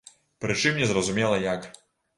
Прычым не зразумела як.